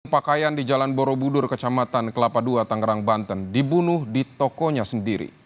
pakaian di jalan borobudur kecamatan kelapa ii tangerang banten dibunuh di tokonya sendiri